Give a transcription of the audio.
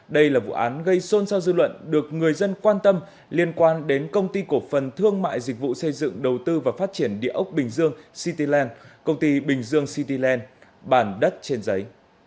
đây là vụ án gây xôn xao dư luận được người dân quan tâm liên quan đến công ty cổ phần thương mại dịch vụ xây dựng đầu tư và phát triển địa ốc bình dương cityland công ty bình dương cityland bản đất trên giấy